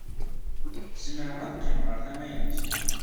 Zemreɣ ad qqimeɣ ɣer tama-nnek?